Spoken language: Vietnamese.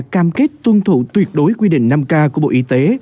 cam kết tuân thủ tuyệt đối quy định năm k của bộ y tế